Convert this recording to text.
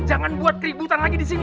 jangan buat keributan lagi disini